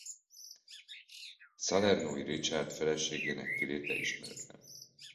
Salernói Richárd feleségének kiléte ismeretlen.